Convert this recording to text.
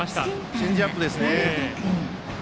チェンジアップですね。